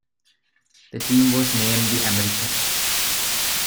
The team was named the "Americans".